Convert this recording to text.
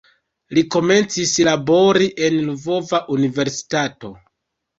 Li komencis labori en "Lvova Universitato".